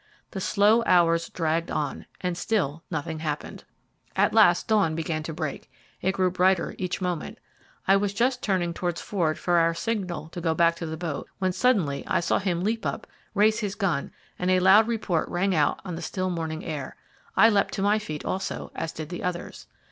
The slow hours dragged on, and still nothing happened. At last the dawn began to break it grew brighter each moment. I was just turning towards Ford for our signal to go back to the boat, when suddenly I saw him leap up, raise his gun, and a loud report rang out on the still morning air I leapt to my feet also, as did the others.